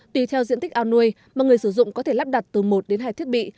tùy theo diện tích ao nuôi mà người sử dụng có thể lắp đặt từ một đến hai thiết bị